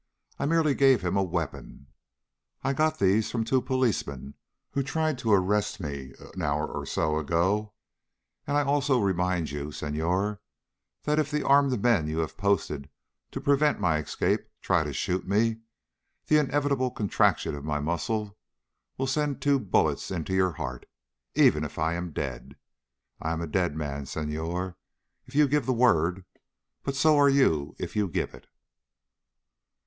I merely gave him a weapon. I got these from two policemen who tried to arrest me an hour or so ago. And I also remind you, Senhor, that if the armed men you have posted to prevent my escape try to shoot me, that the inevitable contraction of my muscles will send two bullets into your heart even if I am dead. I am a dead man, Senhor, if you give the word, but so are you if you give it."